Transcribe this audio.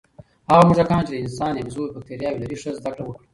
هغه موږکان چې د انسان یا بیزو بکتریاوې لري، ښه زده کړه وکړه.